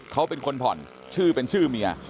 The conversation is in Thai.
เขาเป็นคนผ่อนชื่อเป็นชื่อเมีย